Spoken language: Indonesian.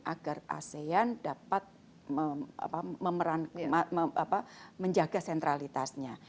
agar asean dapat menjaga sentralitasnya